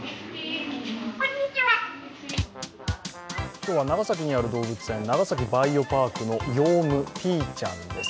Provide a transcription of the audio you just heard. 今日は長崎にある動物園、長崎バイオパークのヨウム、ピーちゃんです。